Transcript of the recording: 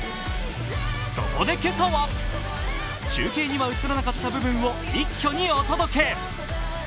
そこで今朝は、中継には映らなかった部分を一挙にお届け！